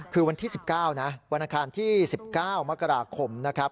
คือวันที่๑๙นะวันอาคารที่๑๙มกราคมนะครับ